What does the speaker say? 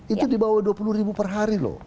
itu di bawah dua puluh ribu per hari loh